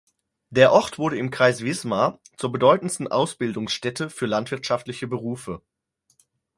Der Ort wurde im Kreis Wismar zur bedeutendsten Ausbildungsstätte für landwirtschaftliche Berufe.